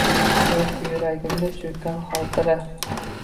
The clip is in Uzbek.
Yoki yuragimga choʼkkan xotira –